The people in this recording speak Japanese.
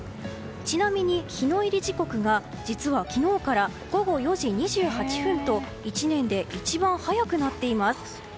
ちなみに、日の入り時刻が実は昨日から午後４時２８分と１年で一番早くなっています。